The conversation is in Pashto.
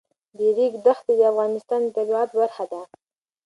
د ریګ دښتې د افغانستان د طبیعت برخه ده.